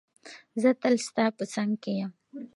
زه تل ستا په څنګ کې یم.